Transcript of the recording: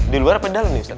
di luar apa di dalam ustadz